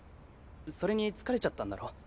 それに疲れちゃったんだろ？